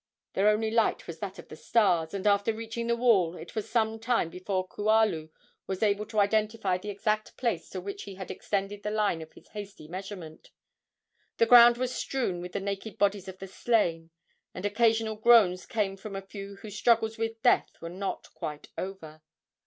Their only light was that of the stars, and after reaching the wall it was some time before Kualu was able to identify the exact place to which he had extended the line of his hasty measurement. The ground was strewn with the naked bodies of the slain, and occasional groans came from a few whose struggles with death were not quite over.